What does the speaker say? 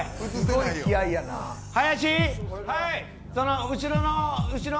林。